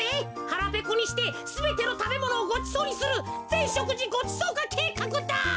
はらぺこにしてすべてのたべものをごちそうにするぜんしょくじごちそうかけいかくだ。